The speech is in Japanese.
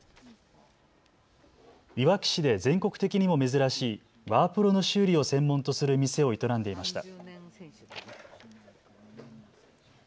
いわき市で全国的にも珍しいワープロの修理を専門とする店を営んでいました。